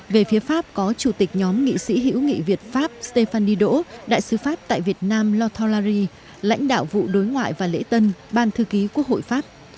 về phía pháp có chủ tịch nhóm nghị sĩ hữu nghị việt pháp stéphanido đại sứ pháp tại việt nam lothalari lãnh đạo vụ đối ngoại và lễ tân ban thư ký quốc hội pháp